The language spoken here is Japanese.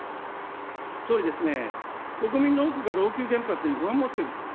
総理ですね、国民の多くが老朽原発に不安を持っていると。